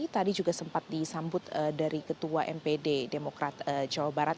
tadi juga sempat disambut dari ketua mpd demokrat jawa barat